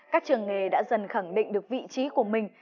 các trường nghề đã dần khẳng định được vị trí của mình